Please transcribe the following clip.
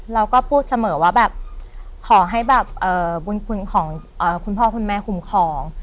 เราก็พูดเสมอว่าแบบขอให้แบบบุญคุณของคุณพ่อคุณแม่คุ้มครอง